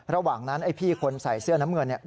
ระหว่างนั้นพี่คนใส่เสื้อน้ำเมือง